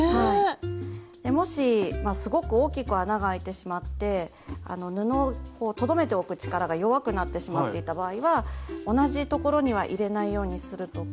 もしすごく大きく穴が開いてしまって布をとどめておく力が弱くなってしまっていた場合は同じところには入れないようにするとか。